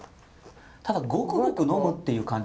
ただゴクゴク飲むっていう感じじゃ。